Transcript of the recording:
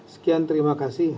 sekian terima kasih